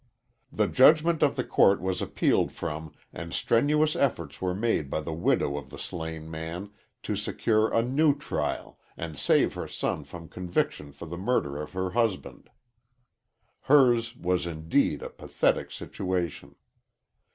The judgment of the court was appealed from and strenuous efforts were made by the widow of the slain man to secure a new trial and save her son from conviction for the murder of her husband. Hers was indeed a pathetic situation.